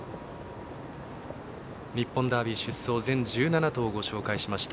日本ダービー出走全１７頭ご紹介しました。